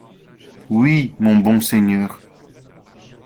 Oui, mon bon seigneur.